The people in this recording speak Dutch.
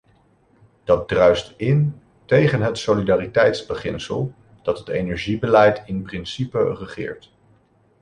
Dat druist in tegen het solidariteitsbeginsel, dat het energiebeleid in principe regeert.